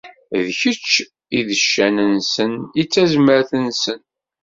D kečč i d ccan-nsen, i d tazmert-nsen.